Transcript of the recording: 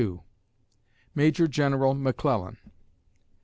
MAJOR GENERAL MCCLELLAN.